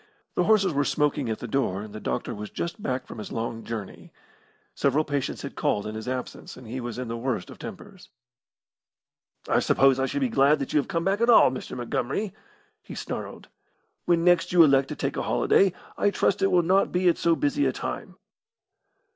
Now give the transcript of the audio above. The horses were smoking at the door, and the doctor was just back from his long journey. Several patients had called in his absence, and he was in the worst of tempers. "I suppose I should be glad that you have come back at all, Mr. Montgomery!" he snarled. "When next you elect to take a holiday, I trust it will not be at so busy a time."